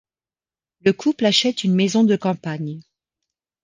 Le couple achète une maison de campagne.